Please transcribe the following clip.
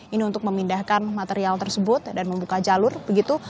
ini untuk memindahkan material tersebut dan membuka jalur begitu